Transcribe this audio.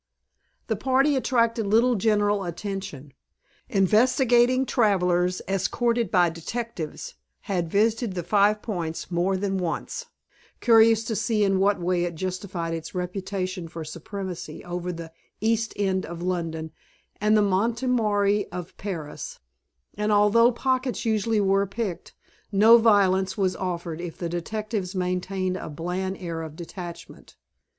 The party attracted little general attention. Investigating travellers, escorted by detectives, had visited the Five Points more than once, curious to see in what way it justified its reputation for supremacy over the East End of London and the Montmartre of Paris; and although pockets usually were picked, no violence was offered if the detectives maintained a bland air of detachment.